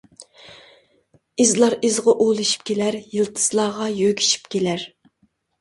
ئىزلار ئىزغا ئۇلىشىپ كېلەر، يىلتىزلارغا يۆگىشىپ كېلەر.